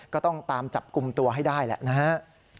ก็ต้องตามจับกลุ่มตัวให้ได้แหละนะฮะ